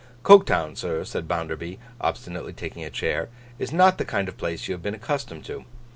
'Coketown, sir,' said Bounderby, obstinately taking a chair, 'is not the kind of place you have been accustomed to.